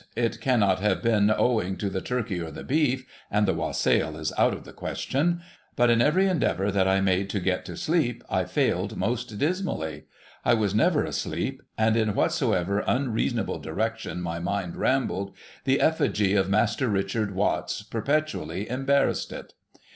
It cannot have been owing to the turkey or the beef, — and the Wassail is out of the question, — but in every endeavour that I made to get to sleep I failed most dismally. I was never asleep ; and in whatsoever unreasonable direction my TAKING LEAVE OF THE TRAVELLERS 83 mind rambled, the efifigy of Master Richard Watts perpetually embarrassed it.